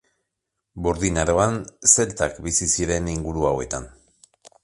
Burdin Aroan zeltak bizi ziren inguru hauetan.